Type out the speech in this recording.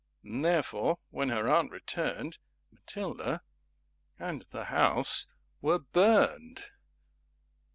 And therefore when her Aunt returned, [Pg 28] Matilda, and the House, were Burned.